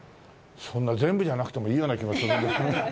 そんな全部じゃなくてもいいような気もする。